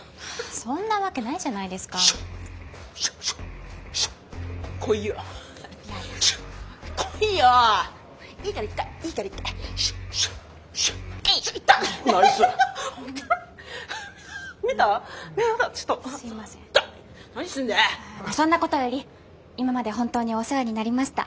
そんなことより今まで本当にお世話になりました。